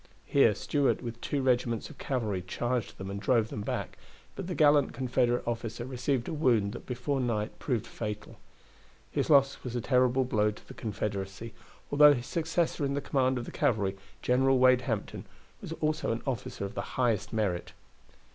Here Stuart with two regiments of cavalry charged them and drove them back, but the gallant Confederate officer received a wound that before night proved fatal. His loss was a terrible blow to the Confederacy, although his successor in the command of the cavalry, General Wade Hampton, was also an officer of the highest merit.